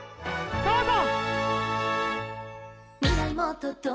どうぞ」。